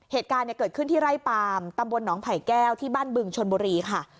เหตุการณ์เกิดขึ้นที่ไร่ปามตำบลหนองไผ่แก้วที่บ้านบึงชนบุรีค่ะ